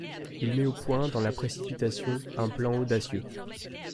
Il met au point, dans la précipitation, un plan audacieux.